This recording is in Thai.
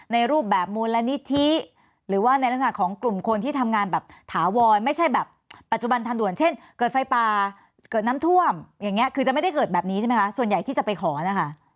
รูปแบบมูลนิธิหรือว่าในลักษณะของกลุ่มคนที่ทำงานแบบถาวรไม่ใช่แบบปัจจุบันทันด่วนเช่นเกิดไฟป่าเกิดน้ำท่วมอย่างนี้คือจะไม่ได้เกิดแบบนี้ใช่ไหมคะส่วนใหญ่ที่จะไปขอนะคะ